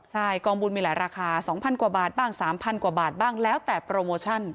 ใช่กองบุญมีหลายราคา๒๐๐กว่าบาทบ้าง๓๐๐กว่าบาทบ้างแล้วแต่โปรโมชั่น